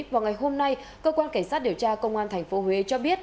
vào ngày hôm nay cơ quan cảnh sát điều tra công an tp huế cho biết